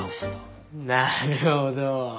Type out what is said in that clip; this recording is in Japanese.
なるほど。